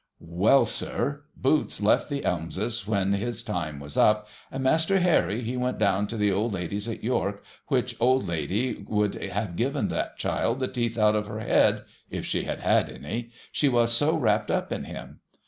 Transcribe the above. . Well, sir ! Boots left the Elmses when his time was up, and Tvlaster Harry, he went down to the old lady's at York, which old lady would have given that child the teeth out of her head (if she had had any), she was so wrapped up in him.